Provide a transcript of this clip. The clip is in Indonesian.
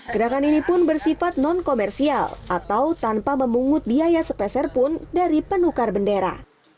gerakan ini pun bersifat non komersial atau tanpa memungut biaya sepeserpun dari penukar bendera